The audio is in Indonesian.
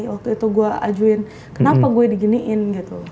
waktu itu gue ajuin kenapa gue diginiin gitu